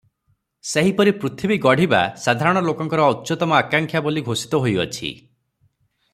ସେହିପରି ପୃଥିବୀ ଗଢ଼ିବା ସାଧାରଣ ଲୋକଙ୍କର ଉଚ୍ଚତମ ଆକାଙ୍କ୍ଷା ବୋଲି ଘୋଷିତ ହୋଇଅଛି ।